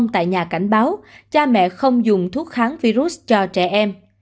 tại nhà cảnh báo cha mẹ không dùng thuốc kháng virus cho trẻ em